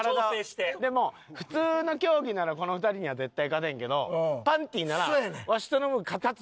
普通の競技ならこの２人には絶対勝てんけどパンティならワシとノブ勝つ